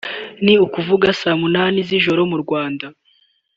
ni ukuvuga saa munani z’ijoro mu Rwanda